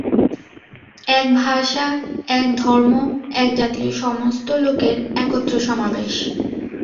এক ভাষা, এক ধর্ম, এক জাতীয় সমস্ত লোকের একত্র সমাবেশ।